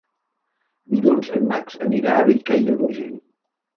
Dilluns en Max anirà a Bellcaire d'Urgell.